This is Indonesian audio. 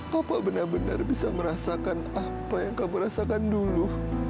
papa benar benar bisa merasakan apa yang kamu rasakan dulu